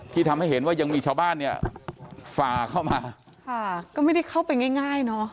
ทำให้เห็นว่ายังมีชาวบ้านเนี่ยฝ่าเข้ามาค่ะก็ไม่ได้เข้าไปง่ายง่ายเนอะ